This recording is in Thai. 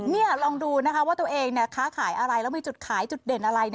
นี่ลองดูนะคะว่าตัวเองค้าขายอะไรแล้วมีจุดขายจุดเด่นอะไร